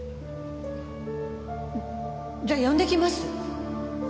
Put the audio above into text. じゃあ呼んできます。